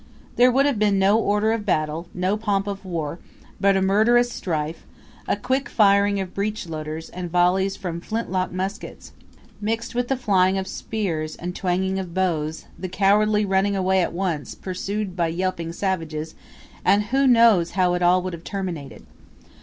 There would have been no order of battle, no pomp of war, but a murderous strife, a quick firing of breech loaders, and volleys from flint lock muskets, mixed with the flying of spears and twanging of bows, the cowardly running away at once, pursued by yelping savages; and who knows how it all would have terminated?